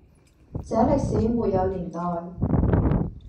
這歷史沒有年代，